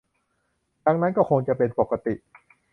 ดังนั้นก็คงจะเป็นปกติ